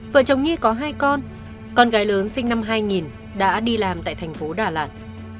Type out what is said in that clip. vợ chồng nhi có hai con con gái lớn sinh năm hai nghìn đã đi làm tại thành phố đà lạt